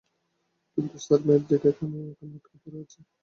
কিন্তু, sir, Maverick এখনো ওখানে আটকা পড়ে রয়েছে।